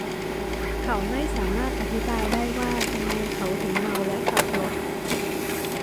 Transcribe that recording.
เขาไม่สามารถอธิบายได้ว่าทำไมเขาถึงเมาและขับรถ